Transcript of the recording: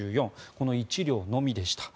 この１両のみでした。